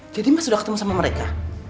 jadi mas udah ketemu sama mereka